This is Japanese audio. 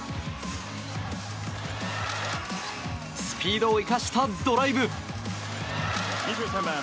スピードを生かしたドライブ。